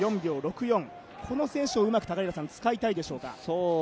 この選手をうまく使いたいでしょうか。